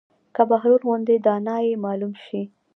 که بهلول غوندې دانا ئې معلم شي